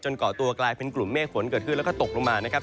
เกาะตัวกลายเป็นกลุ่มเมฆฝนเกิดขึ้นแล้วก็ตกลงมานะครับ